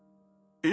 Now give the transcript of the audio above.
え？